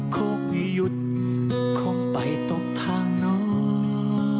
คงหยุดคงไปตกทางนอน